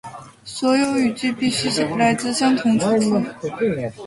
所有语句必须来自相同出处